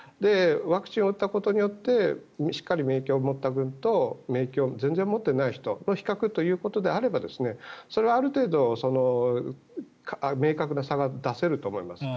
ワクチンを打ったことによってしっかり免疫を持った群と免疫を全然持っていない人と比較ということであればそれはある程度、明確な差が出せると思います。